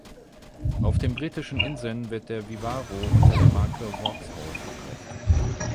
Auf den Britischen Inseln wird der Vivaro unter der Marke Vauxhall verkauft.